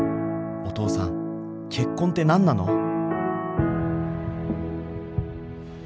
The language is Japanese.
お父さん結婚って何なの？